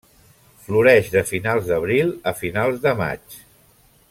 Floreix de finals d'abril a finals de maig.